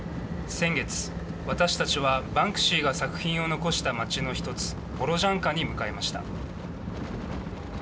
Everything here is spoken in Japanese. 先月、私たちはバンクシーが作品を残した町の１つボロジャンカに向かいました。